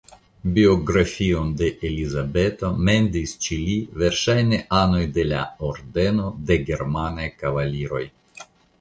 Biografion pri Elizabeto "mendis" ĉe li verŝajne anoj de la Ordeno de germanaj kavaliroj.